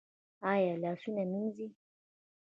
ایا لاسونه مینځي؟